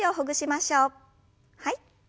はい。